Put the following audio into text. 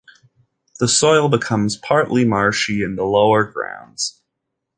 The soil becomes partly marshy in the lower grounds.